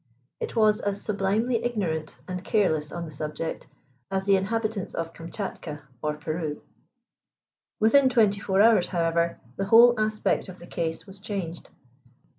It was as sublimely ignorant and careless on the subject as the inhabitants of Kamtchatka or Peru. Within twenty four hours, however, the whole aspect of the case was changed.